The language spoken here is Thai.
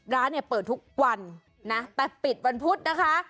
ร้านเนี่ยเปิดทุกวันนะแต่ปิดวันพุธนะคะ